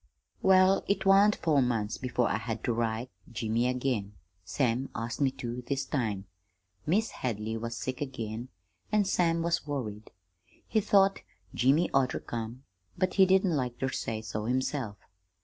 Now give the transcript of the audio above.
"Well, it wan't four months before I had ter write Jimmy again. Sam asked me too, this time. Mis' Hadley was sick again, an' Sam was worried. He thought Jimmy ought ter come home, but he didn't like ter say so himself.